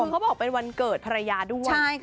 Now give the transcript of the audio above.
เขาบอกเป็นวันเกิดภรรยาด้วย